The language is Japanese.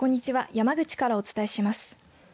山口からお伝えします。